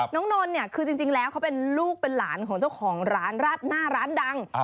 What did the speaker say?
นนท์เนี่ยคือจริงแล้วเขาเป็นลูกเป็นหลานของเจ้าของร้านราดหน้าร้านดัง